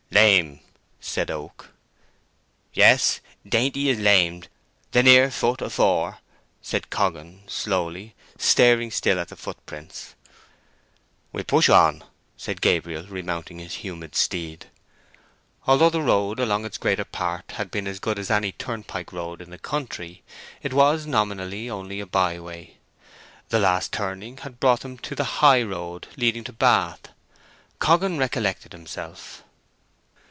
"Lame," said Oak. "Yes. Dainty is lamed; the near foot afore," said Coggan slowly, staring still at the footprints. "We'll push on," said Gabriel, remounting his humid steed. Although the road along its greater part had been as good as any turnpike road in the country, it was nominally only a byway. The last turning had brought them into the high road leading to Bath. Coggan recollected himself.